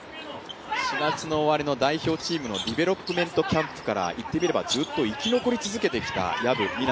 ４月終わりの代表チームのディベロップメントトーナメントでいってみれば、ずっと生き残り続けてきた薮未奈